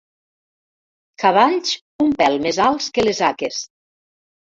Cavalls un pèl més alts que les haques.